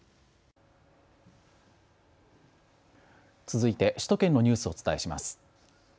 続いて首都圏のニュースをお伝えします。